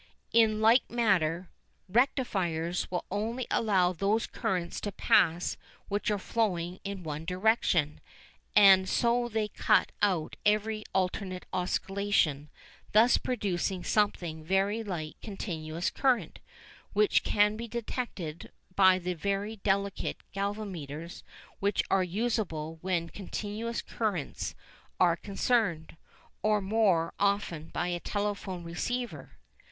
In like manner "rectifiers" will only allow those currents to pass which are flowing in one direction, and so they cut out every alternate oscillation, thus producing something very like continuous current, which can be detected by the very delicate galvanometers which are usable where continuous currents are concerned, or more often by a telephone receiver.